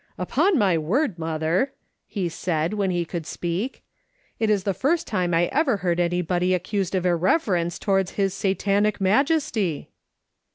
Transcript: " Upon my word, mother," he said, when he could speak, " it is the first time I ever heard anybody accused of irreverence towards his Satanic majesty